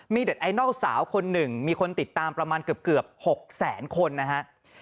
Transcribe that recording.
มีเด็ดไอนอลสาวคนหนึ่งมีคนติดตามประมาณเกือบ๖แสนคนนะฮะ